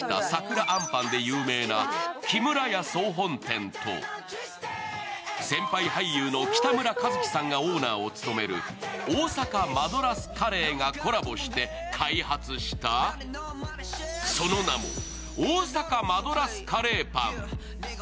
桜あんぱんで有名な木村屋総本店と先輩俳優の北村一輝さんがオーナーを務める大阪マドラスカレーがコラボして開発したその名も、大阪マドラスカレーパン。